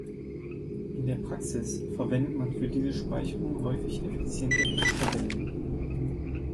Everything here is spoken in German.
In der Praxis verwendet man für diese Speicherung häufig effiziente Hashtabellen.